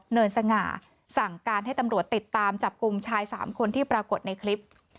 เนินสง่าสั่งการให้ตำรวจติดตามจับกลุ่มชาย๓คนที่ปรากฏในคลิป